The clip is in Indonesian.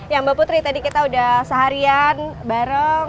ya mbak putri tadi kita udah seharian bareng